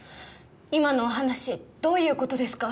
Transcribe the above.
今のお話どういうことですか？